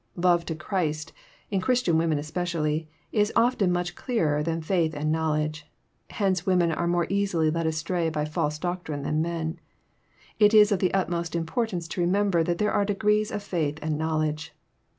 LoTe to Christ, in Christian women especially, is often mnch clearer than faith and knowledge. Hence women are more easily led astray by false doctrine than men. It is of the utmost importance to remember that there are degrees of faith and knowledge.